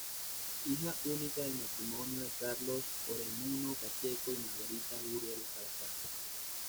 Hija única del matrimonio de Carlos Oreamuno Pacheco y Margarita Unger Salazar.